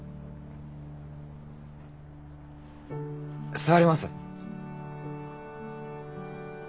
座ります？